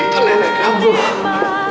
dan dengan ibu saya